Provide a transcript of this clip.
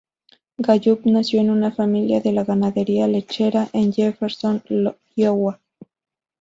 Gallup nació en una familia de la ganadería lechera en Jefferson, Iowa.